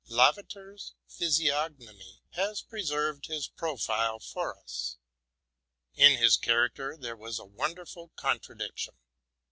Layater's '' Physiognomy'' has preserved his profile for us. In his character there was a wonderful contradiction.